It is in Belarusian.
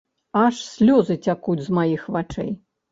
Аж слёзы цякуць з маіх вачэй.